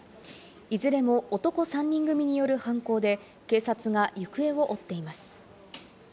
いずれも男３人組による犯行で警察が行方を追っています。